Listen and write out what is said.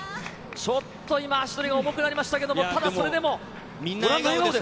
ちょっと今、足取りが重くなりましたけれども、ただそれでも、ご覧の笑顔です。